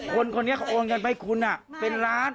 คนเนี่ยเขาองัญมาให้คุณเป็นร้าน